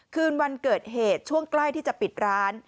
คืนวันเกิดเหตุช่วงใกล้ที่จะปิดร้าน